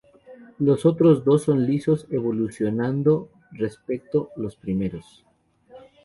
Los otros dos son lisos, evolucionando respecto los primeros.